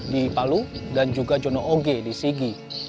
di palu dan juga jono oge di sigi